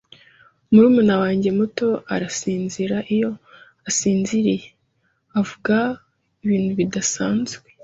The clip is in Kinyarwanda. Murumuna wanjye muto arasinzira iyo asinziriye. Avuga ibintu bidasanzwe.